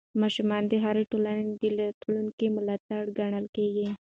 ماشومان د هرې ټولنې د راتلونکي ملا تېر ګڼل کېږي.